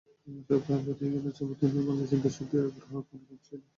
সপ্তাহ পেরিয়ে গেলেও ছবিটি নিয়ে বাংলাদেশের দর্শকদের আগ্রহ যেন কমছেই না।